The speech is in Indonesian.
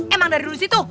emang dari dulu situ